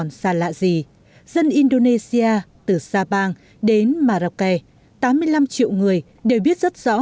nhưng còn xa lạ gì dân indonesia từ sabang đến marrakech tám mươi năm triệu người đều biết rất rõ